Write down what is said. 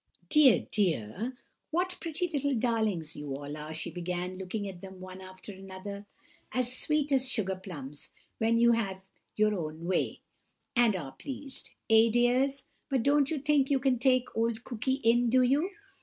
"Dear, dear! what pretty little darlings you all are!" she began, looking at them one after another. "As sweet as sugar plums, when you have your own way, and are pleased. Eh, dears? But you don't think you can take old Cooky in, do you?